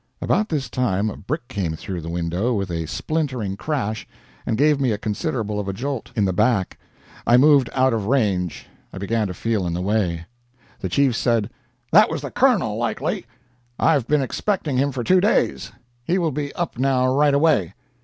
About this time a brick came through the window with a splintering crash, and gave me a considerable of a jolt in the back. I moved out of range I began to feel in the way. The chief said, "That was the Colonel, likely. I've been expecting him for two days. He will be up now right away."